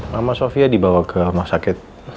nama sofia dibawa ke rumah sakit